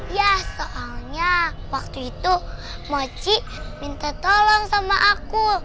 ya soalnya waktu itu moci minta tolong sama aku